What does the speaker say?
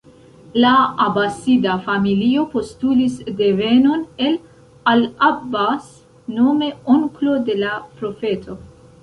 La Abasida familio postulis devenon el al-Abbas, nome onklo de la Profeto.